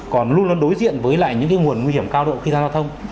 còn luôn luôn đối diện với lại những cái nguồn nguy hiểm cao độ khi ra giao thông